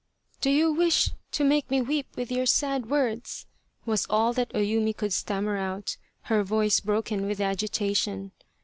" Do you wish to make me weep with your sad words ?" was all that O Yumi could stammer out, her voice broken with agitation.